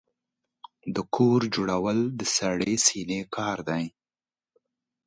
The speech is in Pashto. د کور جوړول د سړې سينې کار دی.